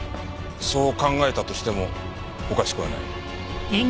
そう考えたとしてもおかしくはない。